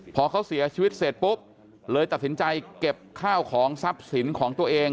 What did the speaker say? พอเขาเสียชีวิตเสร็จปุ๊บเลยตัดสินใจเก็บข้าวของทรัพย์สินของตัวเอง